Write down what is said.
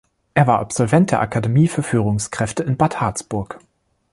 Er war Absolvent der Akademie für Führungskräfte in Bad Harzburg.